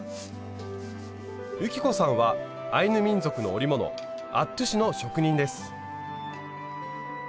雪子さんはアイヌ民族の織物アットゥの職人です。